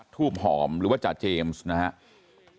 ทูบหอมหรือว่าจาเจมส์นะครับ